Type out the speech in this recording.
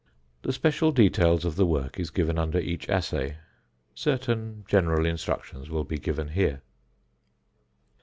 The special details of the work is given under each assay; certain general instructions will be given here.